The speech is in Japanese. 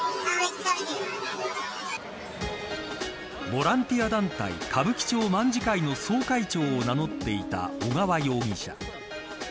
ボランティア団体歌舞伎町卍会の総会長を名乗っていた小川容疑者。